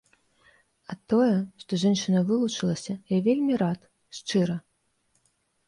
А тое, што жанчына вылучылася, я вельмі рад, шчыра.